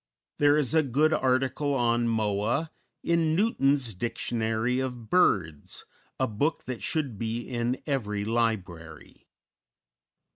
There is a good article on Moa in Newton's "Dictionary of Birds," a book that should be in every library.